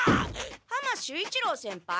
浜守一郎先輩？